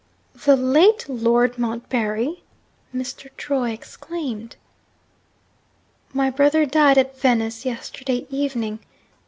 'The late Lord Montbarry!' Mr. Troy exclaimed. 'My brother died at Venice yesterday evening.